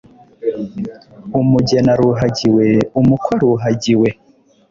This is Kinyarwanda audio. umugeni aruhagiwe, umukwe aruhagiwe